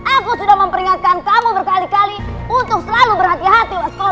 aku sudah memperingatkan kamu berkali kali untuk selalu berhati hati